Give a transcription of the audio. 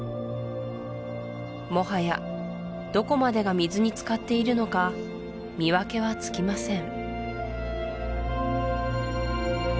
もはやどこまでが水につかっているのか見分けはつきません